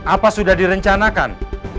apa sudah direncanakan